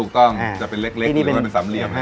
ถูกต้องจะเป็นเล็กหรือเป็นสามเหลี่ยม